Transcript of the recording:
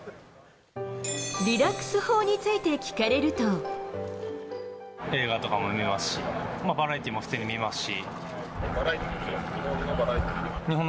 リラックス法について聞かれ映画とかも見ますし、バラエティーも普通に見ますし。